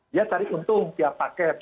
dia cari untung tiap paket